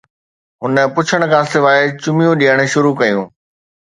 هُن پڇڻ کان سواءِ چميون ڏيڻ شروع ڪيون